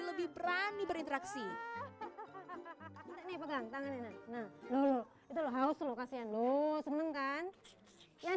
lebih berani berinteraksi pegang tangannya nah dulu itu harus lo kasian loh senengkan yang